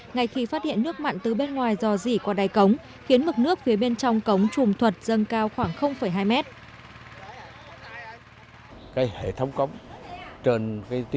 ngay khi phát hiện nước mặn từ bên ngoài dò dỉ qua đáy cống khiến mực nước phía bên trong cống trùm thuật dâng cao khoảng hai mét